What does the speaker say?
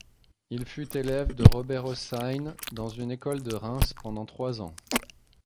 Il fut élève de Robert Hossein dans une école de Reims pendant trois ans.